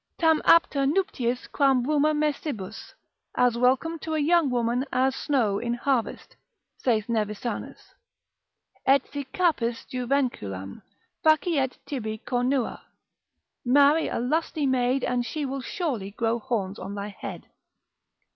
Tam apta nuptiis quam bruma messibus, as welcome to a young woman as snow in harvest, saith Nevisanus: Et si capis juvenculam, faciet tibi cornua: marry a lusty maid and she will surely graft horns on thy head.